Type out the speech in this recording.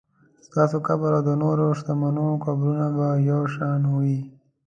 ستاسو قبر او د نورو شتمنو قبرونه به یو شان وي.